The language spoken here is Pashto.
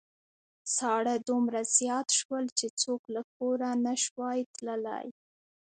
ساړه دومره زيات شول چې څوک له کوره نشوای تللای.